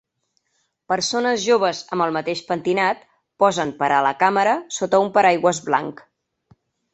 Persones joves amb el mateix pentinat posen per a la càmera sota un paraigües blanc.